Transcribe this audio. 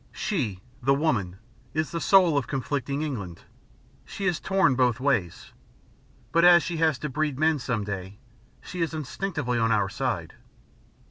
She, the woman, is the soul of conflicting England. She is torn both ways. But as she has to breed men, some day, she is instinctively on our side.